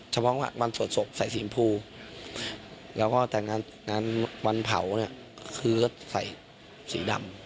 เฉพาะวันสวดศพใส่สีชมพูแล้วก็แต่งงานวันเผาเนี่ยคือรถใส่สีดำ